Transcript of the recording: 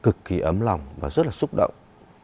cực kì ấm lòng và rất là xúc động